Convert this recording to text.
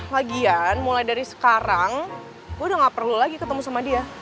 lagian mulai dari sekarang udah gak perlu lagi ketemu sama dia